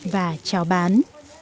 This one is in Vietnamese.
và trào bán